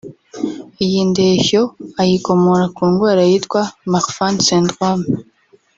Iyi ndeshyo ayikomora ku ndwara yitwa ‘Marfan Syndrome’